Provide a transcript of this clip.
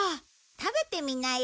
食べてみなよ。